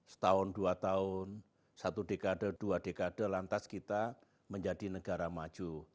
setahun dua tahun satu dekade dua dekade lantas kita menjadi negara maju